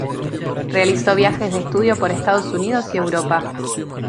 Realizó viajes de estudio por Estados Unidos y Europa.